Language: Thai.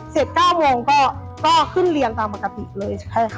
เสร็จ๙โมงก็ขึ้นเรียนตามปกติเลยใช่ไหมค่ะ